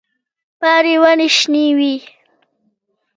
پاڼې ولې شنې وي؟